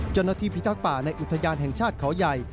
เจ้าหน้าที่พิทักภัยในอุทยานแห่งชาติเขาใหญ่